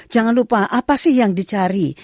jangan lupa apa sih yang dicari